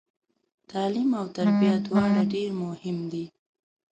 تعلیم او تربیه دواړه ډیر مهم دي